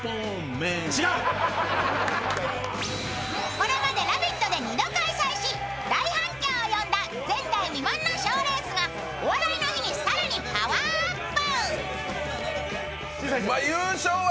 これまで「ラヴィット！」で２度開催し大反響を呼んだ前代未聞の賞レースが「お笑いの日」に更にパワーアップ！